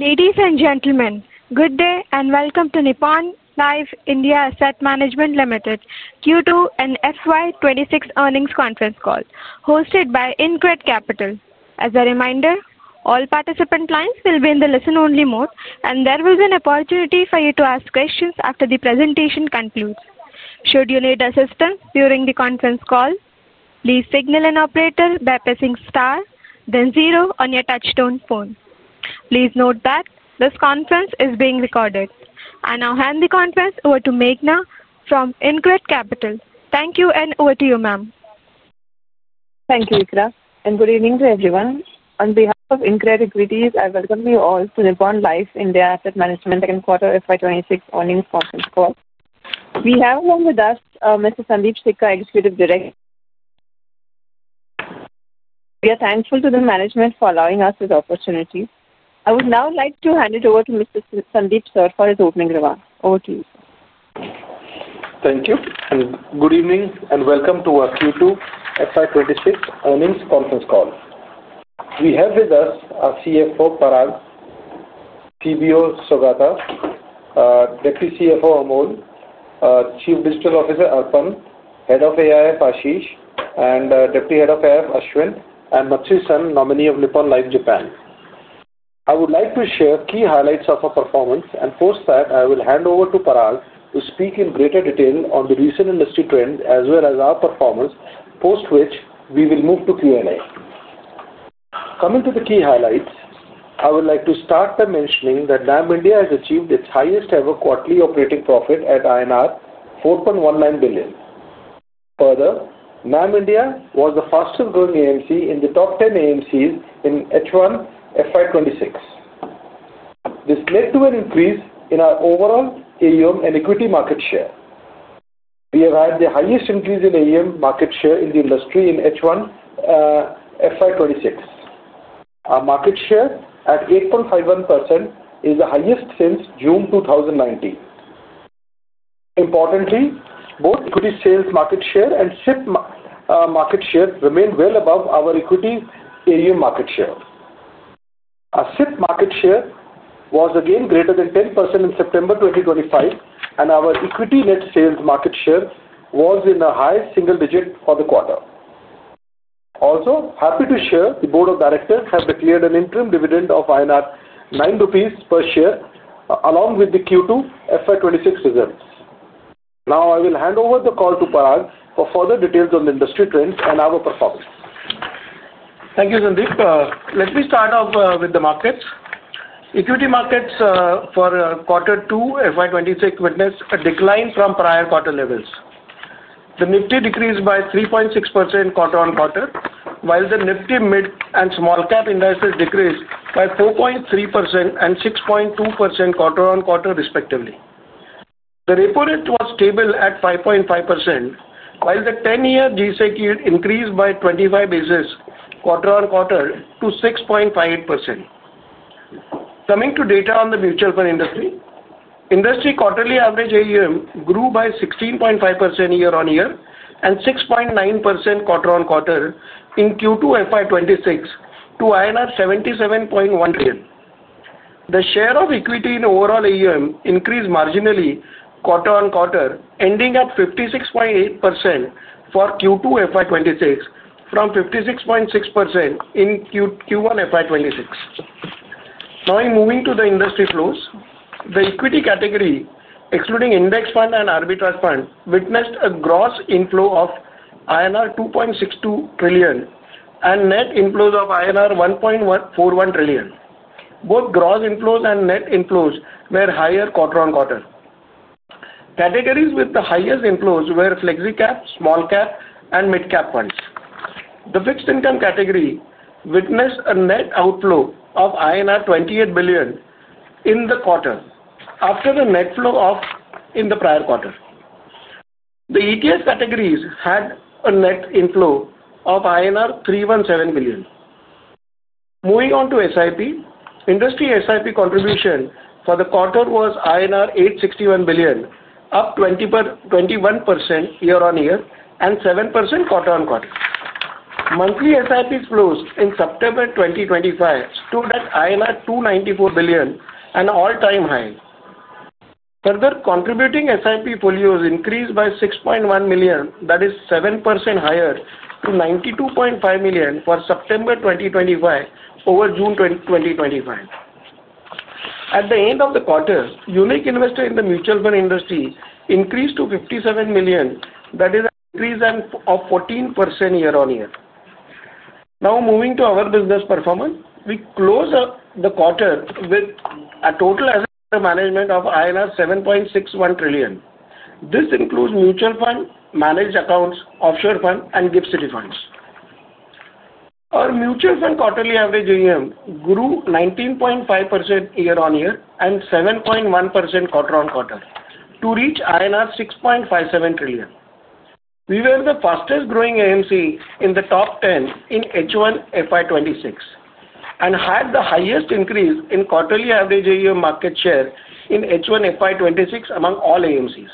Ladies and gentlemen, good day and welcome to Nippon Life India Asset Management Limited Q2 and FY 2026 earnings conference call hosted by Incred Capital. As a reminder, all participant lines will be in the listen only mode and there will be an opportunity for you to ask questions after the presentation concludes. Should you need assistance during the conference call, please signal an operator by pressing star then zero on your touch-tone phone. Please note that this conference is being recorded. I now hand the conference over to Meghna from Incred Capital. Thank you. And over to you, ma'am. Thank you, Ikra, and good evening to everyone. On behalf of Incred Equities, I welcome you all to Nippon Life India Asset Management second quarter FY 2026 earnings conference call. We have with us Mr. Sundeep Sikka, Executive Director. We are thankful to the management for allowing us this opportunity. I would now like to hand it over to Mr. Sundeep, sir, for his opening remarks. Over to you, sir. Thank you. Good evening and welcome to our Q2FY 2026 earnings conference call. We have with us our CFO Parag Joglekar, CBO Saugata Chatterjee, Deputy CFO Amol Bilagi, Chief Digital Officer Arpanarghya Saha, Head of AIF Ashish Chugani, Deputy Head of AIF Aashwin Dugal, and Shin Matsui-San, Nominee of Nippon Life Insurance, Japan. I would like to share key highlights of our performance and post that I will hand over to Parag to speak in greater detail on the recent industry trend as well as our performance post. Which we will move to Q and A. Coming to the key highlights, I would like to start by mentioning that NAM India has achieved its highest ever quarterly operating profit at INR. Further, NAM India was the fastest growing AMC in the top 10 AMCs in H1 FY 2026. This led to an increase in our. Overall AUM and equity market share. We have had the highest increase in. AUM market share in the industry in H1FY 2026. Our market share at 8.51% is the highest since June 2019. Importantly, both equity sales market share and SIP market share remain well above our equity AUM market share. Our SIP market share was again greater than 10% in September 2025, and our equity net sales market share was in the high single digit for the quarter. Also happy to share, the Board of Directors have declared an interim dividend of 9.00 rupees per share along with the Q2FY 2026 results. Now I will hand over the call to Parag for further details on the industry trends and our performance. Thank you, Sandeep. Let me start off with the markets. Equity markets for Quarter 2 FY 2026 witnessed a decline from prior quarter levels. The Nifty decreased by 3.6% QoQ while the Nifty mid and small cap indices decreased by 4.3% and 6.2% QoQ respectively. The repo rate was stable at 5.5% while the 10-year GSEC yield increased by 25 basis points QoQ to 6.5%. Coming to data on the mutual fund industry, industry quarterly average AUM grew by 16.5% YoY and 6.9% QoQ in Q2 FY 2026 to INR 77.1 trillion. The share of equity in overall AUM increased marginally QoQ, ending at 56.8% for Q2 FY 2026 from 56.6% in Q1 FY 2026. Now, moving to the industry flows, the equity category excluding index fund and arbitrage fund witnessed a gross inflow of INR 2.62 trillion and net inflows of INR 1.41 trillion. Both gross inflows and net inflows were higher QoQ. Categories with the highest inflows were Flexicap, Small Cap, and Mid Cap funds. The fixed income category witnessed a net outflow of INR 28 billion in the quarter after the net outflow in the prior quarter. The ETF categories had a net inflow of INR 317 million. Moving on to SIP, industry SIP contribution for the quarter was INR 861 billion, up 21% YoY and 7% QoQ. Monthly SIP flows in September 2025 stood at INR 294 billion, an all-time high. Further, contributing SIP folios increased by 6.1 million, that is 7% higher to 92.5 million for September 2025 over June 2025. At the end of the quarter, unique investors in the mutual fund industry increased to 57 million. That is an increase of 14% YoY. Now, moving to our business performance, we closed the quarter with a total asset management of INR 7.61 trillion. This includes mutual fund managed accounts, offshore fund, and GIFT City funds. Our mutual fund quarterly average AUM grew 19.5% YoY and 7.1% QoQ to reach INR 6.57 trillion. We were the fastest growing AMC in the top 10 in H1 FY 2026 and had the highest increase in quarterly average AUM market share in H1 FY 2026 among all AMCs.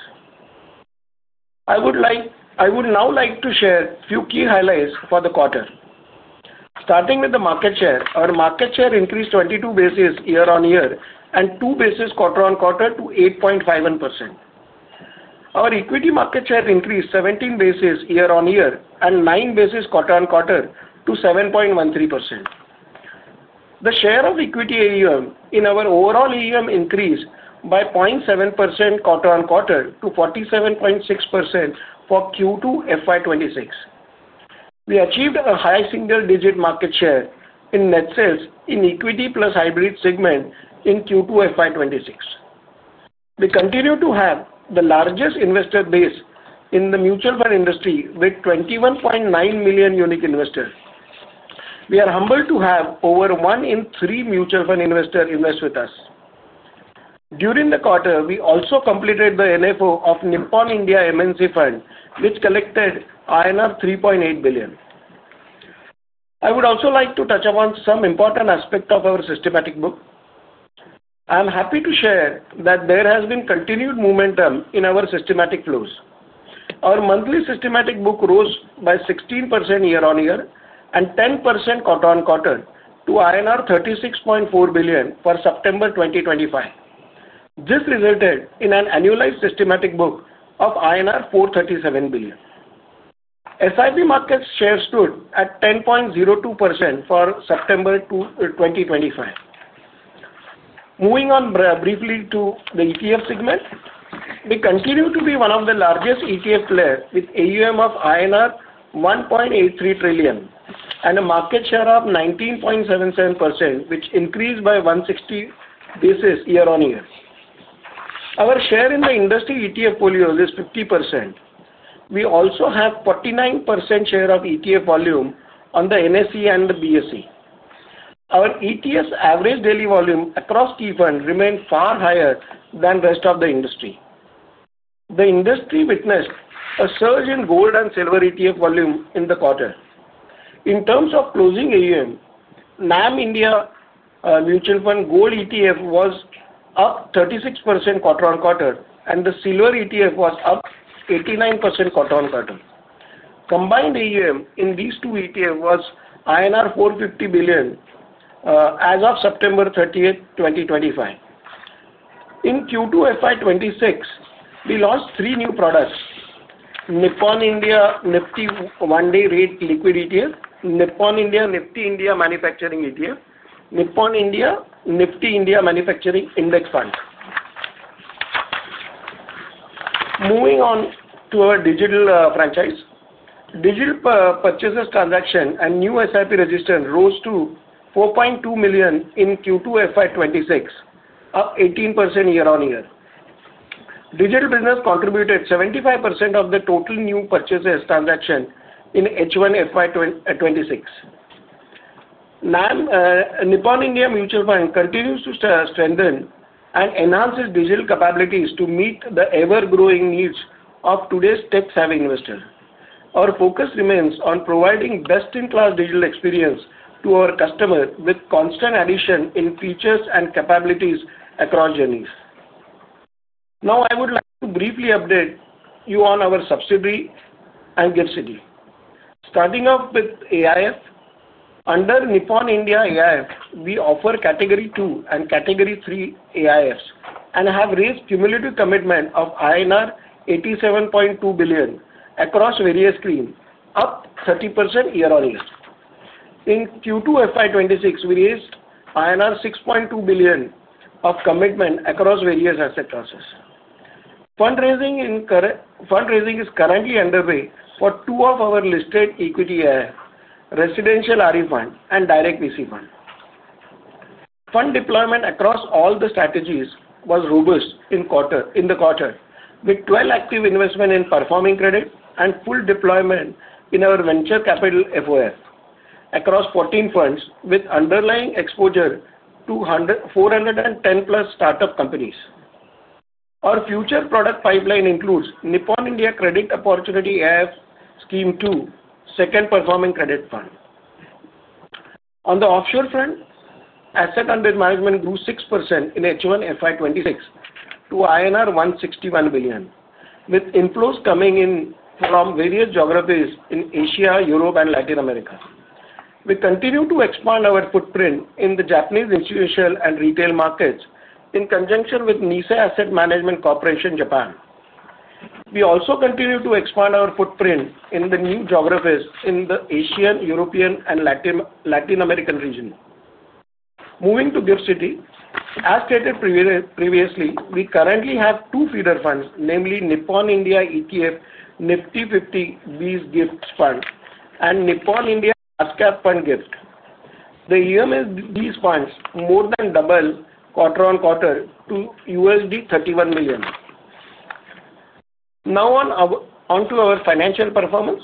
I would now like to share a few key highlights for the quarter, starting with the market share. Our market share increased 22 basis points YoY and 2 basis points QoQ to 8.51%. Our equity market share increased 17 basis points YoY and 9 basis points QoQ to 7.13%. The share of equity AUM in our overall AUM increased by 0.7% QoQ to 47.6%. For Q2FY 2026, we achieved a high single-digit market share in net sales in the Equity plus Hybrid segment. In Q2FY 2026, we continue to have the largest investor base in the mutual fund industry with 21.9 million unique investors. We are humbled to have over one in three mutual fund investors invest with us during the quarter. We also completed the NFO of Nippon India MNC Fund, which collected INR 3.8 billion. I would also like to touch upon some important aspect of our systematic book. I am happy to share that there has been continued momentum in our systematic flows. Our monthly systematic book rose by 16% year-on-year and 10% quarter-on-quarter to 36.4 billion for September 2025. This resulted in an annualized systematic book of INR 437 billion. SIP market share stood at 10.02% for September 2025. Moving on briefly to the ETF segment, we continue to be one of the largest ETF players with AUM of INR 1.83 trillion and a market share of 19.77%, which increased by 160 basis points year-on-year. Our share in the industry ETF folios is 50%. We also have 49% share of ETF volume on the NSE and the BSE. Our ETF average daily volume across key funds remained far higher than the rest of the industry. The industry witnessed a surge in gold and silver ETF volume in the quarter. In terms of closing AUM, NAM India Mutual Fund Gold ETF was up 36% quarter-on-quarter and the Silver ETF was up 89% quarter-on-quarter. Combined AUM in these two ETFs was INR 450 billion as of 09-30-2025. In Q2FY 2026, we launched three new products: Nippon India Nifty One Day Liquid ETF, Nippon India Nifty India Manufacturing ETF, and Nippon India Nifty India Manufacturing Index. Fund. Moving on to our digital franchise, digital purchases transaction and new SIP register rose to 4.2 million in Q2FY 2026, up 18% year-on-year. Digital business contributed 75% of the total new purchases transaction in H1FY 2026. Nippon Life India Asset Management continues to strengthen and enhance its digital capabilities to meet the ever-growing needs of today's tech-savvy investor. Our focus remains on providing best-in-class digital experience to our customer with constant addition in features and capabilities across journeys. Now I would like to briefly update you on our subsidiary and Gift City, starting off with AIF. Under Nippon Life India Asset Management AIF, we offer Category II and Category III AIFs and have raised cumulative commitment of INR 87.2 billion across various schemes, up 30% year-on-year. In Q2FY 2026, we raised INR 6.2 billion of commitment across various asset classes. Fundraising is currently underway for two of our listed equity, residential RE fund, and direct VC fund. Fund deployment across all the strategies was robust in the quarter with 12 active investments in performing credit and full deployment in our venture capital FOF across 14 funds with underlying exposure to 410+ startup companies. Our future product pipeline includes Nippon India Credit Opportunity Scheme 2, Second Performing Credit Fund. On the offshore front, assets under management grew 6% in H1FY 2026 to INR 161 billion with inflows coming in from various geographies in Asia, Europe, and Latin America. We continue to expand our footprint in the Japanese institutional and retail markets. In conjunction with Nissay Asset Management Corporation, Japan, we also continue to expand our footprint in the new geographies in the Asian, European, and Latin American region. Moving to Gift City, as stated previously, we currently have two feeder funds, namely Nippon India ETF Nifty 50 GIFT Fund and Nippon India Fund GIFT UMS. These funds more than doubled quarter-on-quarter to USD 31 million. Now onto our financial performance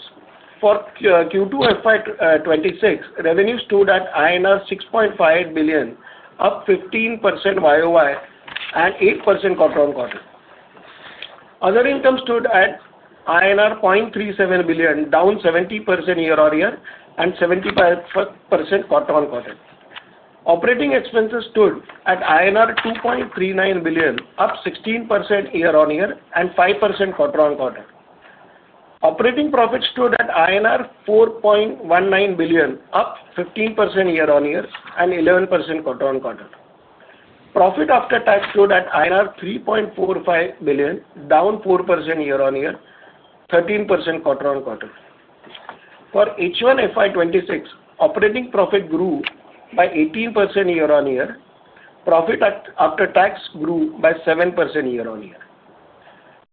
for Q2FY 2026. Revenue stood at INR 6.5 billion, up 15% YoY and 8% quarter-on-quarter. Other income stood at INR 0.37 billion, down 70% year-on-year and 75% quarter-on-quarter. Operating expenses stood at INR 2.39 billion, up 16% year-on-year and 5% quarter-on-quarter. Operating profit stood at INR 4.19 billion, up 15% year-on-year and 11% quarter-on-quarter. Profit after tax stood at INR 3.45 billion, down 4% year-on-year and 13% quarter-on-quarter. For H1FY 2026, operating profit grew by 18% year-on-year. Profit after tax grew by 7% year-on-year.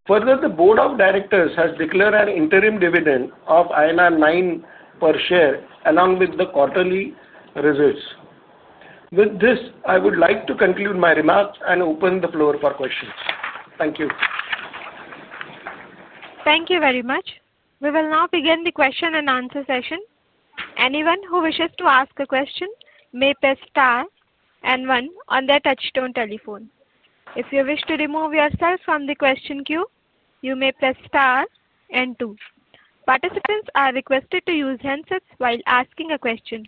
Further, the Board of Directors has declared an interim dividend of INR 9 per share along with the quarterly. With this, I would like to conclude my remarks and open the floor for questions. Thank you. Thank you very much. We will now begin the question-and-answer session. Anyone who wishes to ask a question may press star and one on their touchstone telephone. If you wish to remove yourself from the question queue, you may press star and two. Participants are requested to use handsets while asking a question.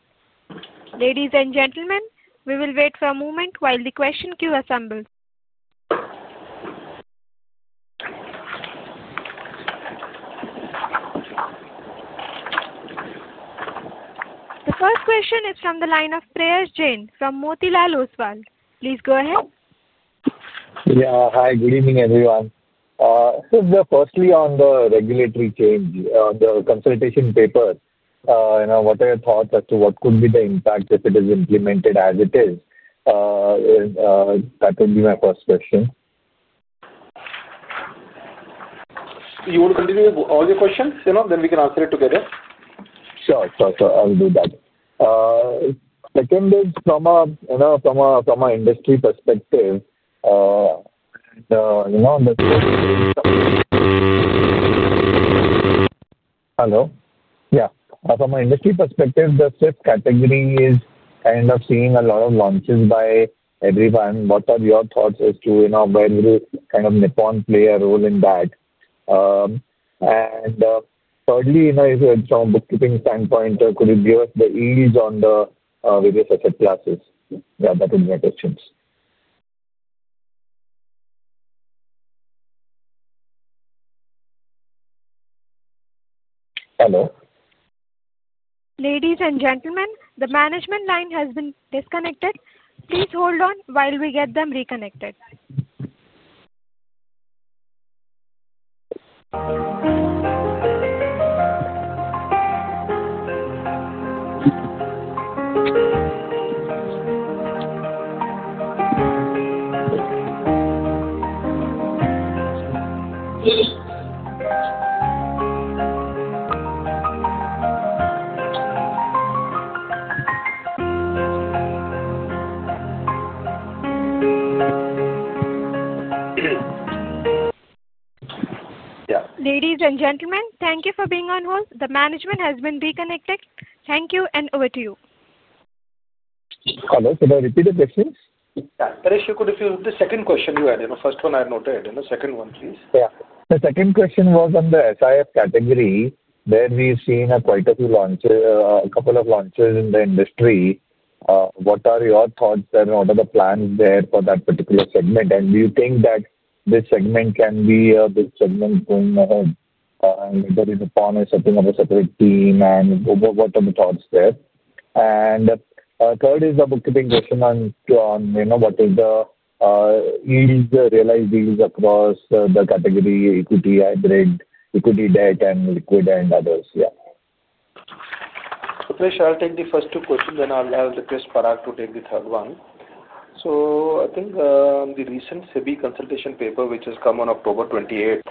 Ladies and gentlemen, we will wait for a moment while the question queue assembles. The first question is from the line of Pratik Jain from Motilal Oswal. Please go ahead. Yeah, hi, good evening everyone. Firstly, on the regulatory change, the consultation paper, what are your thoughts as to what could be the impact if it is implemented as it is? That would be my first question. You want to continue with all your questions? You know, we can answer it together. Sure, I'll do that. Second is from an industry perspective. From an industry perspective, the fifth category is kind of seeing a lot of launches by everyone. What are your thoughts as to, you know, where kind of Nippon Life India Asset Management play a role in that? Thirdly, if some bookkeeping standpoint, could you give us the ease on the various asset classes that will be attachments. Hello, ladies and gentlemen, the management line has been disconnected. Please hold on while we get them reconnected. Ladies and gentlemen, thank you for being on hold. The management has been reconnected. Thank you. Over to you. Hello, can I repeat the questions? The second question you had, first one I noted. The second one please. Yeah, the second question was on the SIF category where we've seen quite a few launches, a couple of launches in the industry. What are your thoughts and what are the plans there for that particular segment? Do you think that this segment can be a big segment going ahead upon a setting of a separate team? What are the thoughts there? The third is the bookkeeping question on, you know, what is the yield, realized yields across the category, equity, hybrid, equity debt, and liquid and others. I'll take the first two questions. I'll request Parag to take the third one. I think the recent SEBI consultation paper which has come on October 28,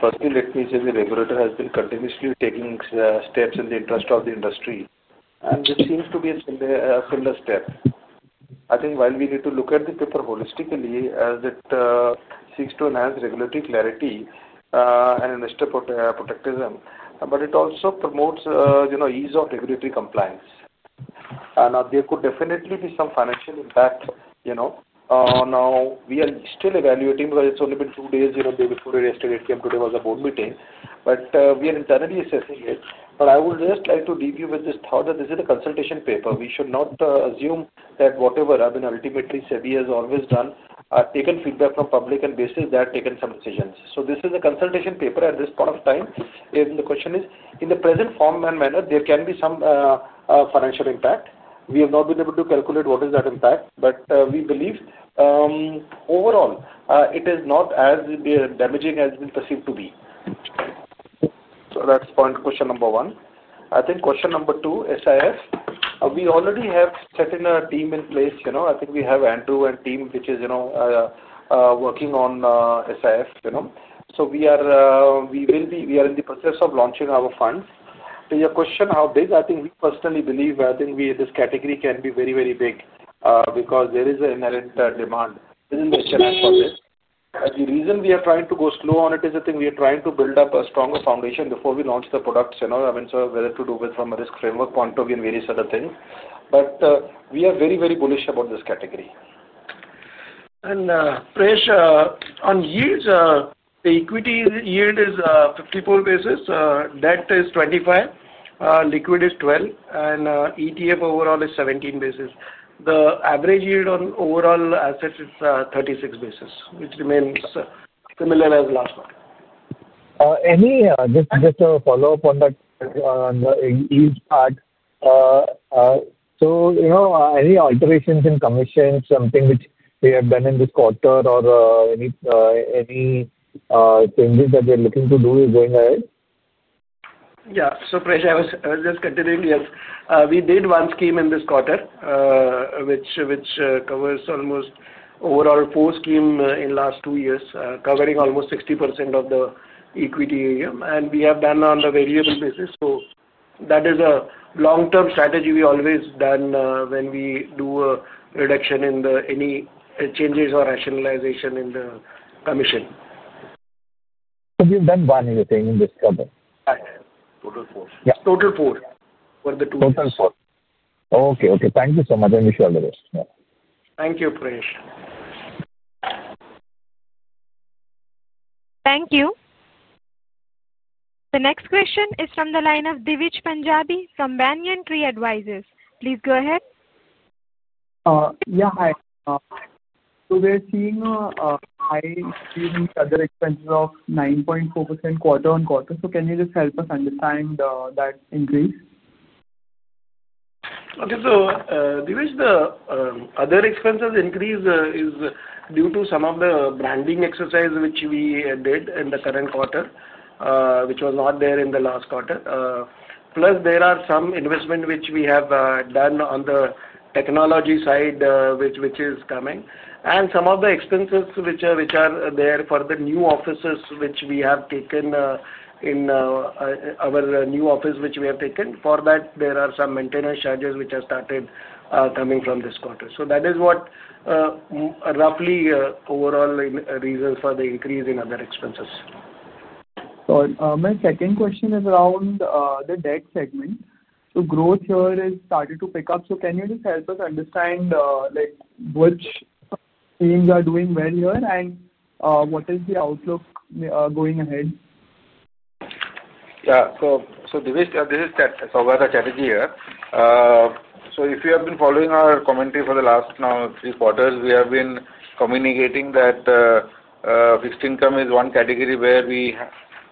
firstly, let me say the regulator has been continuously taking steps in the interest of the industry and it seems to be the step. I think while we need to look at the paper holistically as it seeks to enhance regulatory clarity and investor protectivism, it also promotes ease of regulatory compliance. There could definitely be some financial impact. We are still evaluating because it's only been two days, day before yesterday it came, today was a board meeting, but we are internally assessing it. I would just like to leave you with this thought that this is a consultation paper. We should not assume that whatever I've been, ultimately SEBI has always taken feedback from public and basis that taken some decisions. This is a consultation paper at this point of time. The question is in the present form and manner there can be some financial impact. We have not been able to calculate what is that impact but we believe overall it is not as damaging as been perceived to be. That's point. Question number one, I think question number two, SIF, we already have set in a team in place. I think we have Andrew and team which is working on SIF, so we are, we will be, we are in the process of launching our fund. To your question, how big? I think we personally believe. I think this category can be very, very big because there is an inherent demand for this. The reason we are trying to go slow on it is we are trying to build up a stronger foundation before we launch the products. I mean, whether to do it from a risk framework, point of view, and various other things. We are very, very bullish about this category. Pressure on yields, the equity yield is 54 basis, debt is 25, liquid is 12, and ETF overall is 17 basis. The average yield on overall assets is 36 basis, which remains similar as last month. Just a follow up on that yield part. Any alterations in commission, something which they have done in this quarter or any changes that we are looking to do going ahead? Yeah, Pratik, I was just continuing. Yes, we did one scheme in this quarter which covers almost overall four scheme in last two years covering almost 60% of the equity, and we have done on the variable basis. That is a long term strategy. We always done when we do reduction in any changes or rationalization in the commission. We've done one, you think, in this. Total four. Okay. Okay. Thank you so much. I wish you all the best. Thank you. Thank you. The next question is from the line of Divij Punjabi from Banyan Tree Advisors. Please go ahead. Yeah, hi. We're seeing high expenses of 9.4% QoQ. Can you just help us understand that increase? Okay, Divij, the other expenses increase is due to some of the branding exercise which we. Did in the current quarter, which was. Not there in the last quarter. Plus there are some investments which we have done on the technology side which is coming and some of the expenses which are there for the new offices which we have taken in our new office which we have taken for that. There are some maintenance charges which have started coming from this quarter. That is what roughly overall reasons for the increase in other expenses. My second question is around the debt segment. Growth here has started to pick up. Can you just help us understand? Like which teams are doing well here. What is the outlook going ahead? Yeah, so Divij, this is. If you have been following our commentary for the last three quarters, we have been communicating that fixed income is one category where we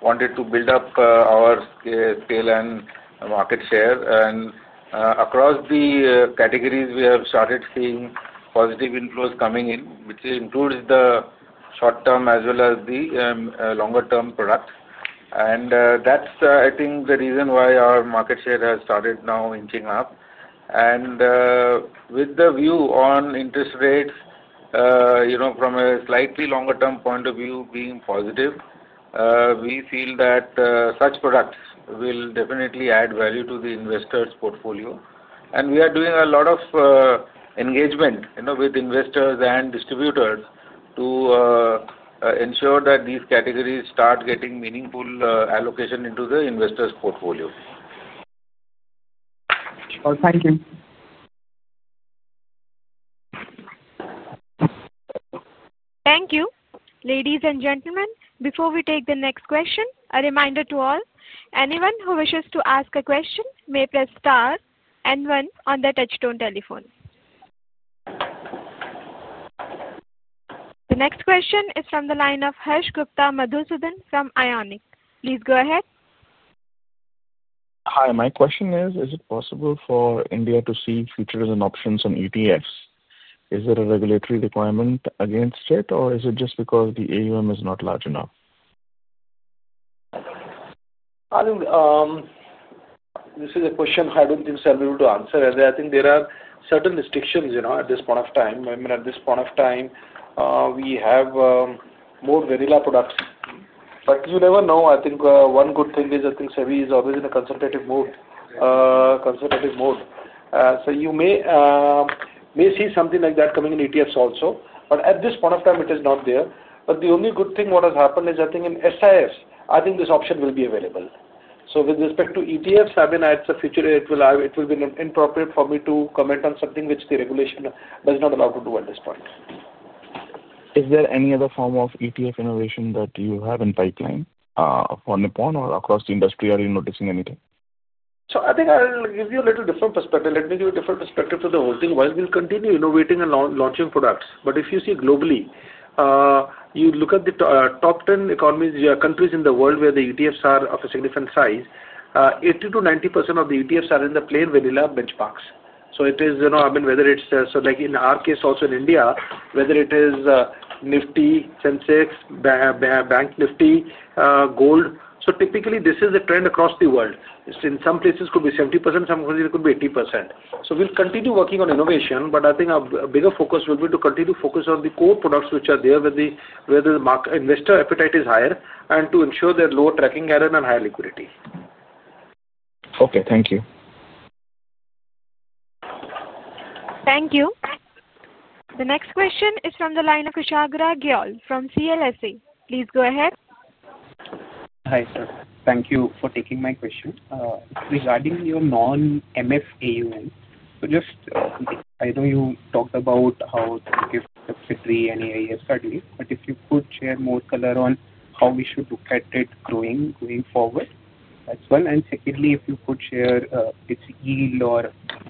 wanted to build up our scale and market share. Across the categories, we have started seeing positive inflows coming in, which includes the short term as well as the longer term products. I think that's the reason why our market share has started now inching up. With the view on interest rates from a slightly longer term point of view being positive, we feel that such products will definitely add value to the investors' portfolio. We are doing a lot of engagement with investors and distributors to ensure that these categories start getting meaningful allocation into the investors' portfolio. Thank you. Thank you, ladies and gentlemen. Before we take the next question, a reminder to all: anyone who wishes to ask a question may press star and one on the Touchstone telephone. The next question is from the line of Harsh Gupta Madhusudan from Ionic. Please go ahead. Hi, my question is, is it possible for India to see futures options on ETFs? Is there a regulatory requirement against it, or is it just because the AUM is not large enough? This is a question I don't think I'll be able to answer as I think there are certain restrictions. At this point of time, we have more vanilla products but you never know. I think one good thing is SEBI is always in a conservative mode. You may see something like. That's coming in ETFs also. At this point of time, it is not there. The only good thing what has happened is, I think in SIFs, I think this option will be available. With respect to ETFs, I mean. It's a future it will have. It will be inappropriate for me to comment on something which the regulation does not allow to do at this point. Is there any other form of ETF innovation that you have in pipeline for Nippon or across the industry? Are you noticing anything? I think I'll give you a little different perspective. Let me give you a different perspective to the whole thing. While we'll continue innovating and launching products, if you see globally, you look at the top 10 economies, countries in the world where the ETFs are of a significant size, 80%-90% of the ETFs are in the plain vanilla benchmarks. It is, you know, I mean whether it's so like in our case also in India, whether it is Nifty, Sensex, Bank Nifty, gold. Typically, this is a trend across the world. In some places, it could be 70%, some could be 80%. We will continue working on innovation. I think a bigger focus will be to continue to focus on the core products which are there where the investor appetite is higher and to ensure their low tracking error and high liquidity. Okay, thank you. Thank you. The next question is from the line of Kushagra Goel from CLSA. Please go ahead. Hi sir. Thank you for taking my question regarding. Your non MF AUM. I know you talked about. How subsidiary and AIF study, but if. You could share more color on how we should look at it growing going forward as well. Secondly, if you could share its. Yield or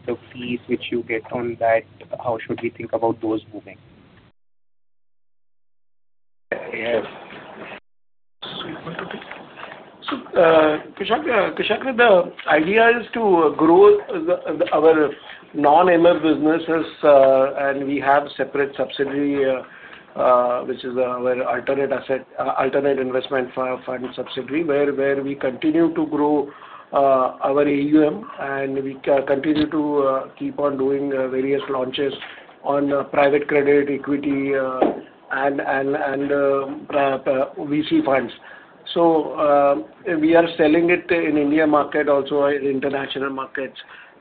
the fees which you get on that, how should we think about those moving? Kushagra, the idea is to grow our non-ML businesses and we have a separate subsidiary, which is the alternative investment fund subsidiary, where we continue to grow our AUM and we continue to keep on doing various launches on private credit, equity, and VC funds. We are selling it in the India market and also in international markets.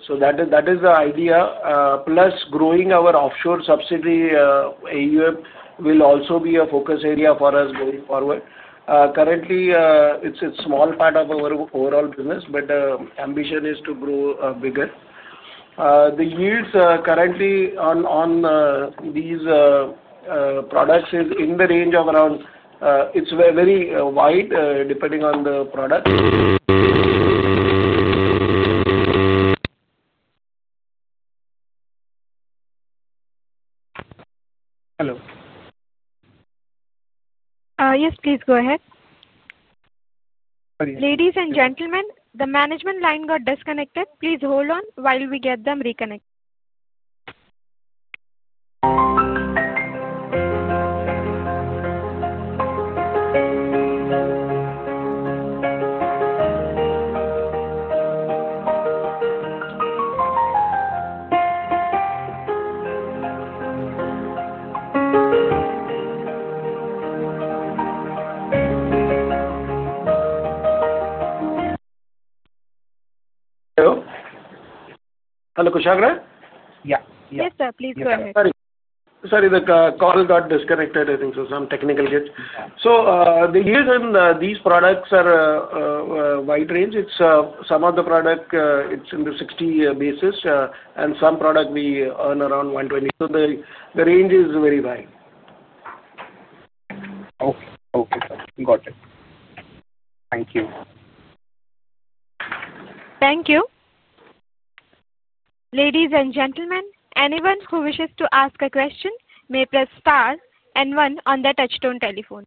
That is the idea. Plus, growing our offshore subsidiary AUM will also be a focus area for us going forward. Currently, it's a small part of our overall business, but the ambition is to grow bigger. The yields currently on these products are in the range of around, it's very wide depending on the product. Hello. Yes, please go ahead. Ladies and gentlemen, the management line got disconnected. Please hold on while we get them reconnected. Yeah. Yes sir, please go ahead. Sorry, the call got disconnected. I think some technical glitch. The reason these products are wide range, some of the product it's in the 60 year basis and some product we earn around 120. The range is very wide. Thank you. Thank you, ladies and gentlemen. Anyone who wishes to ask a question may press star and one on the touchstone telephone.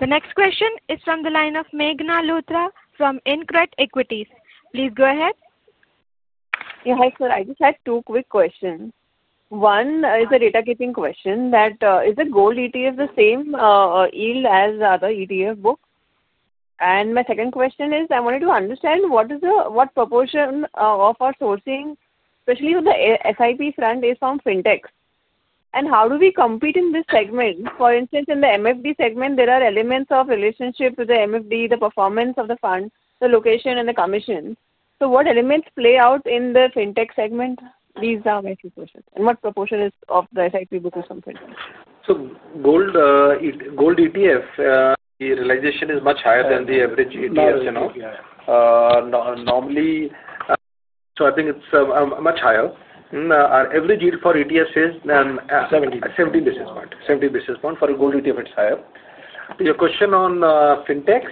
The next question is from the line of Meghna Lutra from Incred Equities. Please go ahead. Yeah, sir, I just had two quick questions. One is a data keeping question. Is the gold ETF the same yield as other ETF book? My second question is I wanted to understand what is the, what proportion of our sourcing, especially on the SIP front, is from fintechs and how do we compete in this segment? For instance, in the MFD segment, there are elements of relationship to the MFD, the performance of the fund, the location, and the commission. What elements play out in the fintech segment? These are my two questions. What proportion is of the SIP? Gold ETF realization is much higher than the average ETF, you know, normally. I think it's much higher. Our average yield for ETFs is 70 basis points. For a gold ETF it's higher. Your question on fintechs,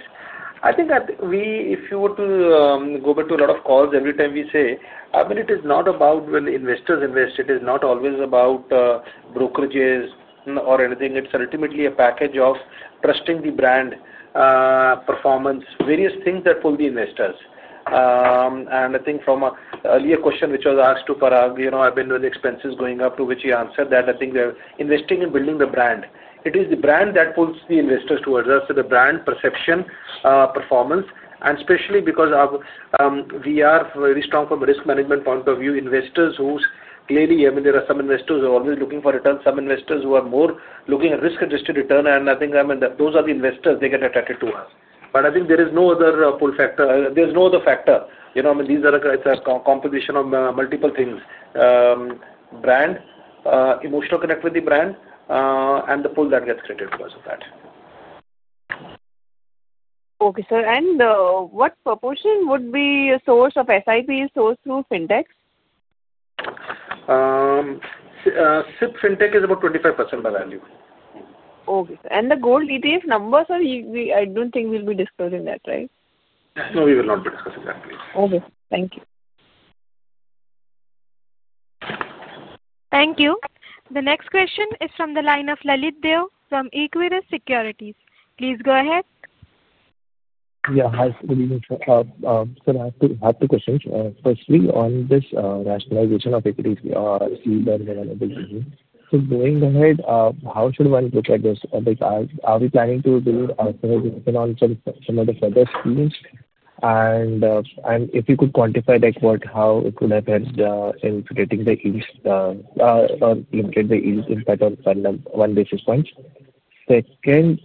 I think that if you were to go back to a lot of calls, every time we say, I mean it is not about when investors invest, it is not always about brokerages or anything. It's ultimately a package of trusting the brand, performance, various things that pull the investors. From the earlier question which was asked to Parag, with expenses going up to which he answered that I think they're investing in building the brand. It is the brand that pulls the investors towards us. The brand perception, performance, and especially because we are very strong from a risk management point of view, investors who clearly, I mean there are some investors who are always looking for returns, some investors who are more looking at risk adjustments, and I think those are the investors that get attracted to us. There is no other pull factor. There's no other factor. These are a composition of multiple things: brand, emotional connect with the brand, and the pull that gets created because of that. Okay, sir. What proportion would be a source of SIP source through fintechs? SIP fintech is about 25% by value. Okay. The gold ETF number, I don't think we'll be disclosing that, right? No, we will not be discussing that. Okay, thank you. Thank you. The next question is from the line of Lalit Deo from Equirus Securities. Please go ahead. Yeah. Firstly, on this rationalization of equities, going ahead, how should one look at this? Are we planning to do on some of the further schemes, and if you could quantify like how it could have helped in predating the expense or limited the impact on 1 basis point? Second,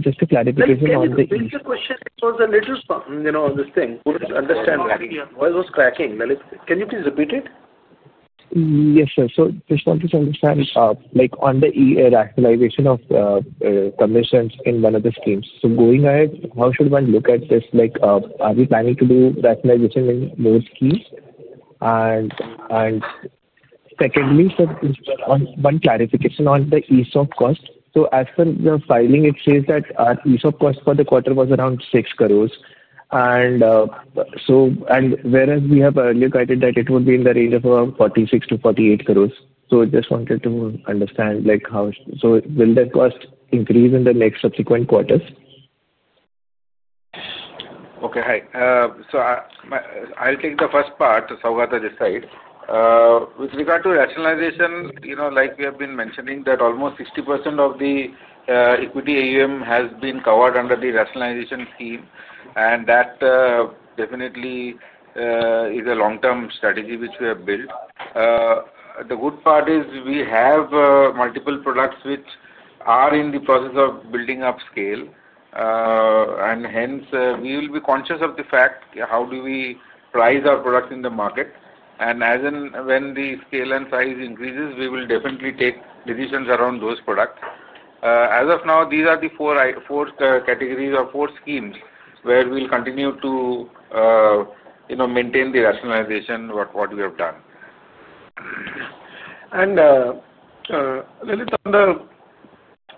just a clarification, was a little. You know, this thing couldn't understand. Oil was cracking. Can you please repeat it? Yes sir. Just wanted to understand on the rationalization of commissions in one of the schemes. Going ahead, how should one look at this? Are we planning to do rationalization in those schemes? Secondly, one clarification on the ESOP cost. As per the filing, it says that our ESOP cost for the quarter was around 6 crore, whereas we have look. At it, that it would be in. The range of around 46 crore-48 crore. I just wanted to understand, will that cost increase in the next subsequent quarters? Okay. Hi. I'll take the first part with regard to rationalization. Like we have been mentioning, almost 60% of the equity AUM has been covered under the rationalization scheme. That definitely is a long-term strategy which we have built. The good part is we have multiple products which are in the process of building up scale, and hence we will be conscious of the fact how we price our products in the market. As and when the scale and size increase, we will definitely take decisions around those products. As of now, these are the four categories or four schemes where we will continue to maintain the rationalization we have done. And.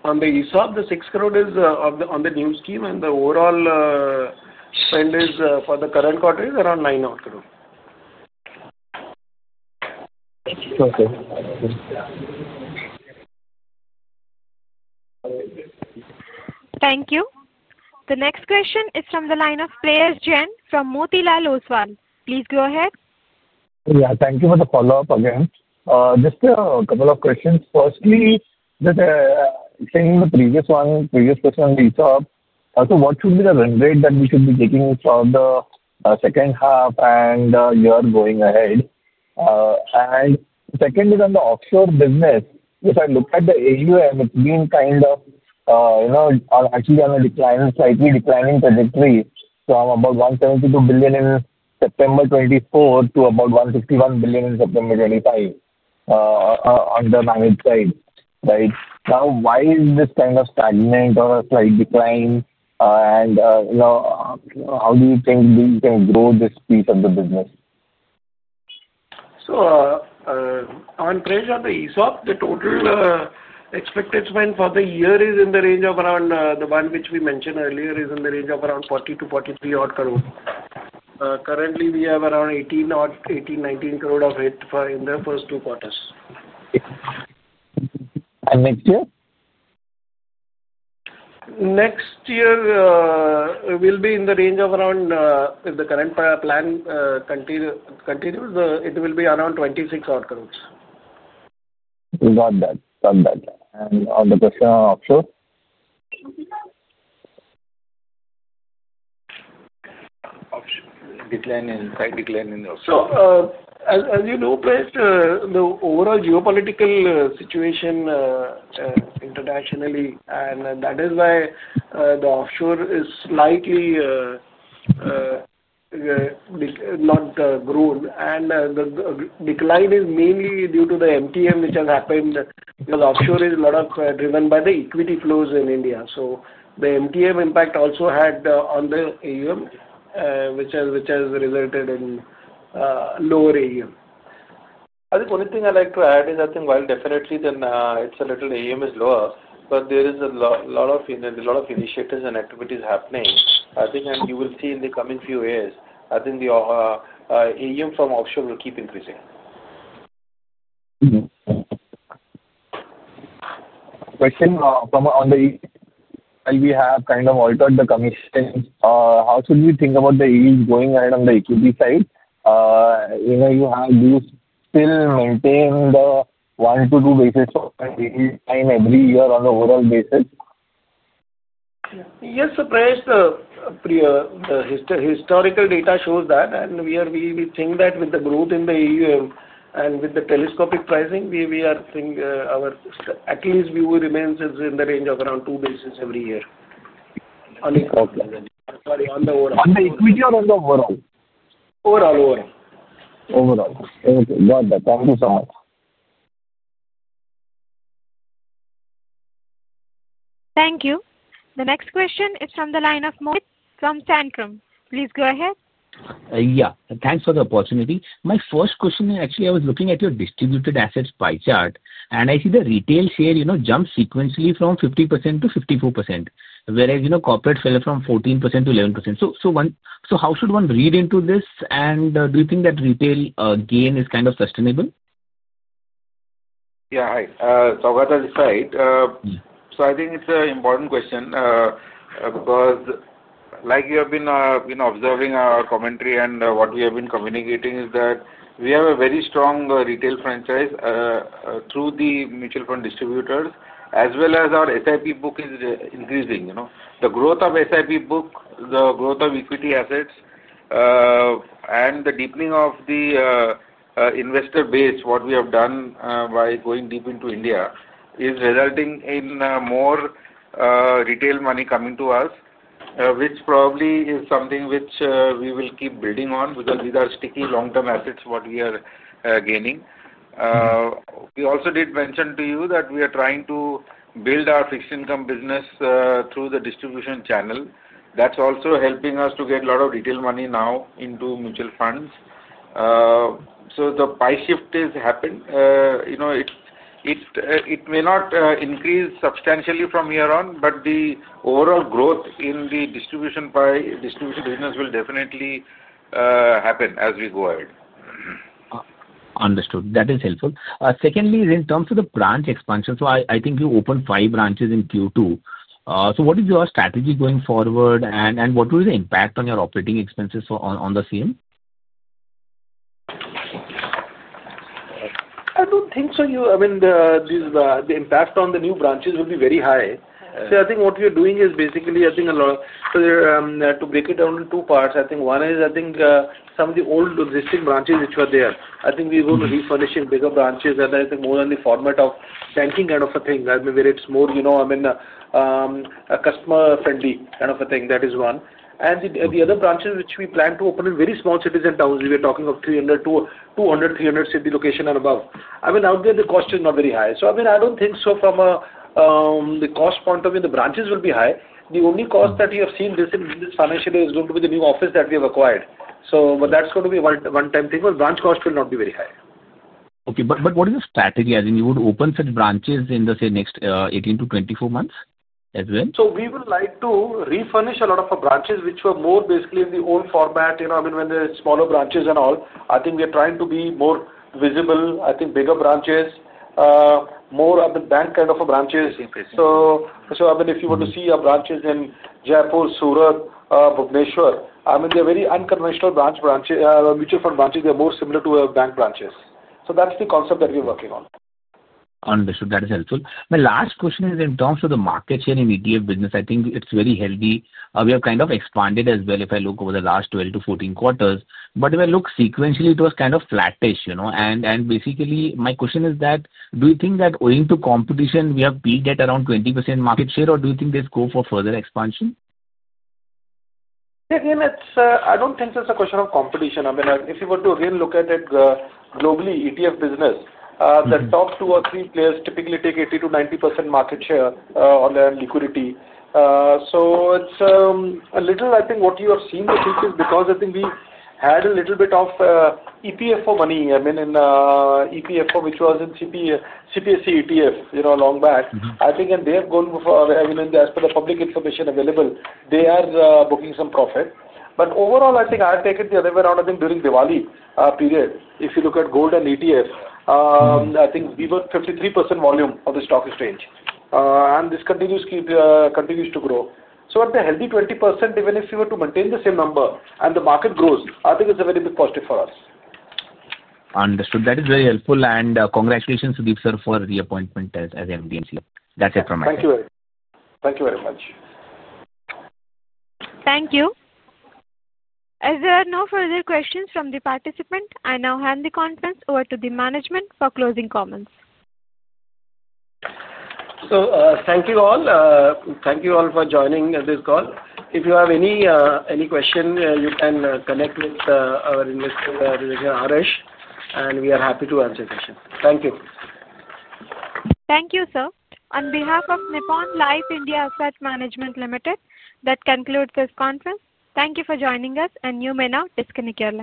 On the ESOP, the 6 crore is on the new scheme, and the overall spend for the current quarter is around 9 crore. Okay. Thank you. The next question is from the line of Pratik Jain from Motilal Oswal, please go ahead. Thank you for the follow up. Just a couple of questions. Firstly, saying the previous one, previous question, what should be the run rate that we should be taking for the second half and you are going ahead? Second is on the offshore business. If I look at the AUM, it's been kind of, you know, actually on a decline, slightly declining trajectory from about 172 billion in September 2024 to about 161 billion in September 2025. On the managed side right now, why is this kind of stagnant or a slight decline and how do you think we can grow this piece of the business? On the fresh ESOP, the total expected spend for the year is in the range of around 40 crore-43 crore. Currently, we have around 18 crore or 18 crore, 19 crore of it for the first two quarters. Next year. Next year will be in the range of around, if the current plan continues, it will be around 26 crore. Got that. Got that. On the question offshore. Decline in. As you know, given the overall geopolitical situation internationally, that is why the offshore is slightly. Not grown. The decline is mainly due to the MTM which has happened because offshore is a lot driven by the equity flows in India. The MTM impact also had on the AUM which has resulted in lower AUM. I think only thing I like to. I think while definitely it's a little AUM is lower, but there is a lot of initiatives and activities happening, and you will see in the coming few years the AUM from offshore will keep increasing. Question from on the we have kind of altered the commission. How should we think about the ease going ahead on the equity side you have still maintain the one to two basis every year on the overall basis. Yes. The historical data shows that we think that with the growth in the AUM and with the telescopic pricing, we think our at least view remains is in the range of around 2 basis every year. Thank you so much. Thank you. The next question is from the line of. Please go ahead. Yeah, thanks for the opportunity. My first question, actually I was looking at your distributed assets pie chart and I see the retail share, you know, jump sequentially from 50% to 54%, whereas, you know, corporate fell from 14% to 11%. One. How should one read into this, and do you think that retail gain is kind of sustainable? Yeah. Hi. I think it's an important question because, like you have been observing our commentary and what we have been communicating, we have a very strong retail franchise through the mutual fund distributors as well as our SIP book is increasing. The growth of the SIP book, the growth of equity assets, and the deepening of the investor base. What we have done by going deep into India is resulting in more retail money coming to us, which probably is something we will keep building on because these are sticky long-term assets. What we are gaining, we also did mention to you that we are trying to build our fixed income business through the distribution channel. That's also helping us to get a lot of retail money now into mutual funds. The pie shift has happened. It may not increase substantially from here on, but the overall growth in the distribution, distribution pie, distribution business will definitely happen as we go ahead. Understood, that is helpful. Secondly, in terms of the branch expansion, I think you opened five branches in Q2. What is your strategy going forward, and what was the impact on your operating expenses on the same? I don't think so, I mean. The impact on the new branches will be very high. I think what we are doing is basically a lot to. Break it down in two parts. I think some of the old existing branches which were there, we go to refurbishing bigger branches, and I think more than the format of banking kind of a thing. I mean where it's more, you know. I mean a customer-friendly kind of a thing. That is one, and the other branches. Which we plan to open in very. Small cities and towns, we are talking of 200, 300 city location above. I mean out there the cost is not very high. I don't think so from a. a cost point of view, the branches will be high. The only cost that you have seen in this financial is going to. The new office that we have acquired, that's going to be a one-time thing. Our branch cost will not be very high. Okay, what is the strategy as in you would open such branches in the next 18-24 months as well. We would like to refurnish a. Lot of our branches which were more. Basically, in the old format. When the smaller branches and all, I think we are trying to be more visible. I think bigger branches, more of the bank kind of branches. If you want to see branches in Jaipur, Surat, Bhubaneswar, they're very unconventional. Branch mutual fund branches are more similar to bank branches. That's the concept that we're working on. Understood, that is helpful. My last question is in terms of the market share in ETF business, I think it's very healthy. We have kind of expanded as well. If I look over the last 12-14 quarters, but if I look sequentially it was kind of flattish, you know. Basically, my question is that do you think that owing to competition we have peaked at around 20% market share or do you think this could go for further expansion? Again it's. I don't think it's a question of competition. I mean if you were to again look at it globally, ETF business, the. Top two or three players typically take. 80%-90% market share on their liquidity. I think what. You have seen the future because I. Think we had a little bit of. EPFO money, I mean in EPFO which was in CPSE ETF, you know, long back I think and they have gone as per the public information available they are booking some profit. Overall, I think I take it the other way around. I think during Diwali period if you look at gold ETF, I think we were 53% volume of the stock exchange and this continues to grow. At the healthy 20% even if. we were to maintain the same number and the market grows, I think it's a very big positive for us. Understood, that is very helpful. Congratulations, Sundeep sir, for the appointment as MDMC. That's it from me. Thank you. Thank you very much. Thank you. As there are no further questions from the participant, I now hand the conference over to the management for closing comments. Thank you all for joining this call. If you have any question, you can connect with our investor Harish and we are happy to answer questions. Thank you. Thank you, sir. On behalf of Nippon Life India Asset Management Limited, that concludes this conference. Thank you for joining us. You may now disconnect your line.